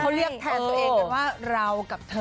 เขาเรียกแทนตัวเองกันว่าเรากับเธอ